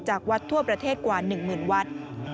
จากวัดทั่วประเทศกว่า๑หมื่นวัด